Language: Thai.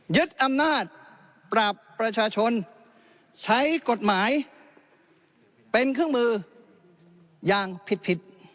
ยึดอำนาจปรับประชาชนใช้กฎหมายเป็นเครื่องมืออย่างผิด